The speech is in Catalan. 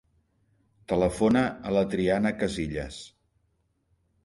Telefona a la Triana Casillas.